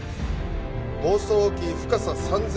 房総沖深さ３０００